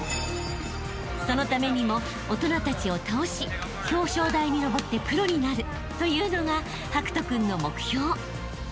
［そのためにも大人たちを倒し表彰台にのぼってプロになるというのが博仁君の目標］